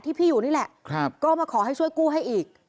พี่อยู่นี่แหละก็มาขอให้ช่วยกู้ให้อีก